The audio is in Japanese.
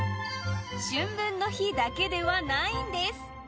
春分の日だけではないんです。